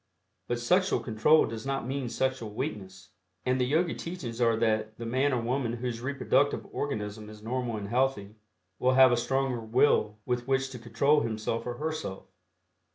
But sexual control does not mean sexual weakness, and the Yogi teachings are that the man or woman whose reproductive organism is normal and healthy, will have a stronger will with which to control himself or herself.